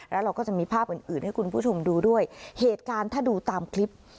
แล้วเราก็จะมีภาพอื่นอื่นให้คุณผู้ชมดูด้วยเหตุการณ์ถ้าดูตามคลิป